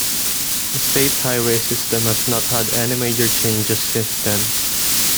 The state highway system has not had any major changes since then.